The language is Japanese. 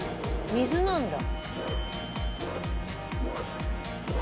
水なんだ。